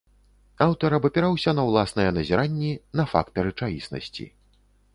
Аўтар абапіраўся на ўласныя назіранні, на факты рэчаіснасці.